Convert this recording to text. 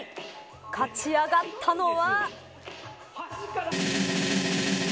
勝ち上がったのは。